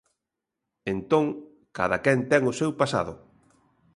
Entón, cadaquén ten o seu pasado.